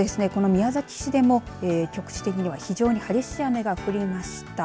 宮崎市でも局地的には、非常に激しい雨が降りました。